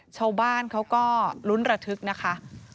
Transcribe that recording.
ชาวบ้านเขาก็ลุ้นระทึกนะคะ